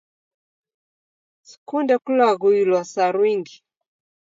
Sikunde kulaghuilwa saru ingi.